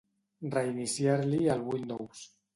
Reiniciar-li el Windows.